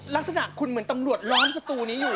ลักษณะคุณเหมือนตำรวจล้อมสตูนี้อยู่